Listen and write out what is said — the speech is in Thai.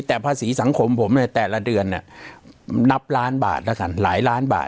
แต่ภาษีสังคมผมเนี่ยแต่ละเดือนเนี่ยนับล้านบาทแล้วกันหลายล้านบาท